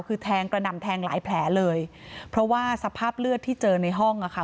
คือแทงกระหน่ำแทงหลายแผลเลยเพราะว่าสภาพเลือดที่เจอในห้องอ่ะค่ะ